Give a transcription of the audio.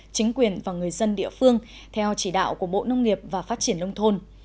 chính quyền và người dân địa phương theo chỉ đạo của bộ nông nghiệp và phát triển nông thôn